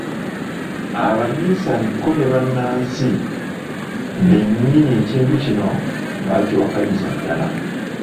Abaminsane ko ne Bannansi bennyini ekintu kino baakiwakanyiza ddala.